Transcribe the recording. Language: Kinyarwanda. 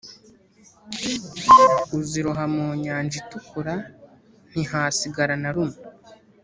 uziroha mu nyanja itukura ntihasigara na rumwe